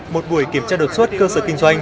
một buổi kiểm tra đột xuất cơ sở kinh doanh